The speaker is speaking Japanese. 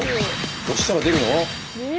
押したら出るの？